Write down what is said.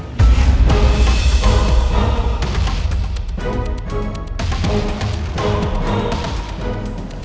soal makam menendi